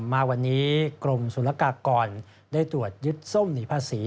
มาวันนี้กรมศุลกากรได้ตรวจยึดส้มหนีภาษี